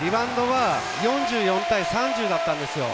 ４４対３０だったんですよ。